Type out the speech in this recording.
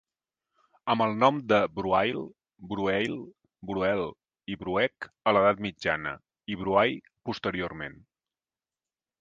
Amb el nom de Bruail, Brueil, Bruel i Bruech a l"Edat Mitjana i Bruay posteriorment.